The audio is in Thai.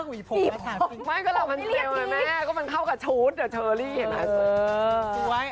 ไม่ก็รับมันเซลล์ไหมแม่ก็มันเข้ากับชุดเทอร์ลี่เห็นไหม